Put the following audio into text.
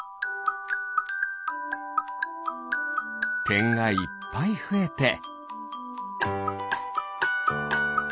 てんがいっぱいふえて。